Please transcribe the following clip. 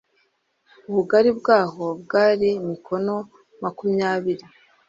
ubugari bwaho bwari mikono makumyabiri